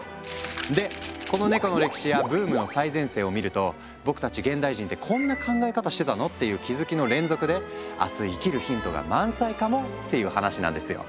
でこのネコの歴史やブームの最前線を見ると僕たち現代人って「こんな考え方してたの？」っていう気づきの連続で明日生きるヒントが満載かもっていう話なんですよ。